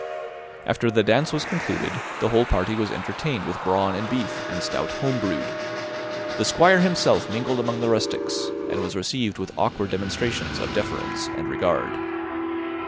After the dance was concluded, the whole party was entertained with brawn and beef, and stout home brewed. The Squire himself mingled among the rustics, and was received with awkward demonstrations of deference and regard.